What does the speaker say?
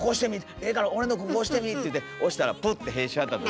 ええから俺のここ押してみ」って言うて押したらプッて屁しはった時。